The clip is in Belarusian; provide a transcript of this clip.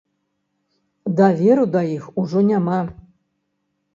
Даверу да іх ужо няма.